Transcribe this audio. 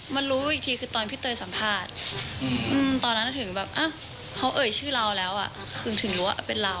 มารู้อีกทีคือตอนพี่เตยสัมภาษณ์ตอนนั้นถึงแบบเขาเอ่ยชื่อเราแล้วถึงรู้ว่าเป็นเรา